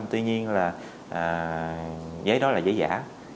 tuy nhiên là giấy đó là giấy giả